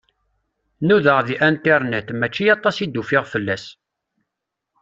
Nudaɣ deg internet, mačči aṭas i d-ufiɣ fell-as.